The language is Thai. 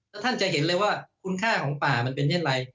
แล้วท่านจะเห็นเลยว่าคุณค่าของป่ามันเป็นอย่างไร